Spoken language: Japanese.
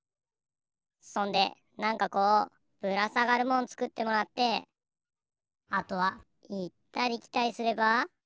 そんでなんかこうぶらさがるもんつくってもらってあとはいったりきたりすれば。